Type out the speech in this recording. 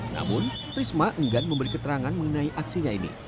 namun risma enggan memberi keterangan mengenai aksinya ini